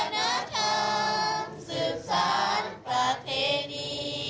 พัฒนธรรมศึกษาประเทศนี้